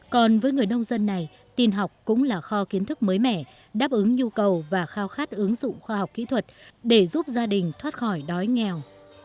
còn với người nông dân này tin học cũng là kho kiến thức mới mẻ đáp ứng nhu cầu và khao khát ứng dụng khoa học kỹ thuật để giúp gia đình thoát khỏi đói nghèo